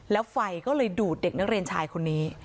แล้วไฟก็เลยดูดเด็กนักเรียนชายคนนี้